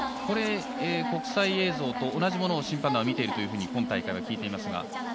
国際映像と同じものを審判団が見ているというふうに今大会は聞いていますが。